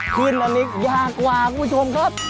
ขึ้นอันนี้ยากกว่าคุณผู้ชมครับ